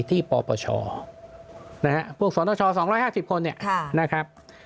ที่ปปชนะฮะพวกสอนชอสองร้อยห้าสิบคนเนี่ยค่ะนะครับ